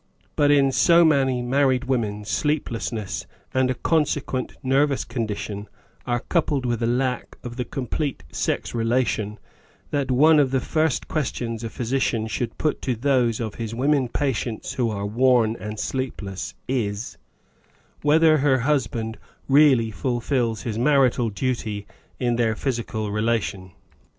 But in so many married women sleeplessness and a consequent nervous condition are coupled with a lack of the complete sex relation, that one of the first questions a physician should put to those of his women patients who are worn and sleepless is : Whether her husband really fulfils his marital duty in their physical relation.